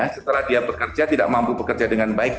setelah dia bekerja tidak mampu bekerja dengan baik